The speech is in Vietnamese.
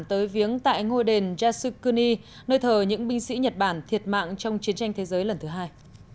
tới viếng tại ngôi đền jasukuni nơi thờ những binh sĩ nhật bản thiệt mạng trong chiến tranh thế giới lần thứ hai